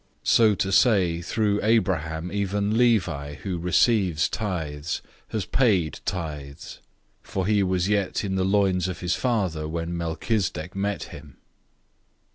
007:009 We can say that through Abraham even Levi, who receives tithes, has paid tithes, 007:010 for he was yet in the body of his father when Melchizedek met him.